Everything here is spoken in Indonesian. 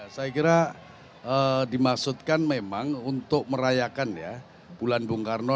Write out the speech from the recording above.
saya kira dimaksudkan memang untuk merayakan ya bulan bung karno